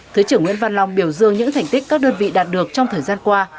thứ trưởng nguyễn văn long biểu dương những thành tích các đơn vị đạt được trong thời gian qua